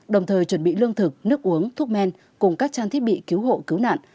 đồng thời chuẩn bị lương thực nước uống thuốc men cùng các trang thiết bị cứu hộ cứu nạn